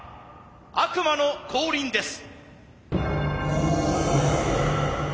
悪魔の降臨です。